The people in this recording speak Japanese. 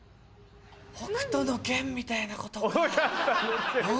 『北斗の拳』みたいなことかな。